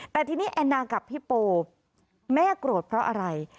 แต่ทีนี้แอนนากับพี่โปแม่โกรธเพราะอะไร